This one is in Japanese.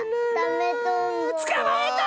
つかまえた！